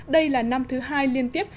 đây là năm thứ hai liên tiếp